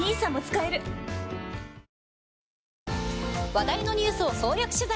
話題のニュースを総力取材！